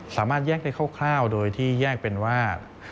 สามารถแยกได้คร่าวโดยที่แยกเป็นว่า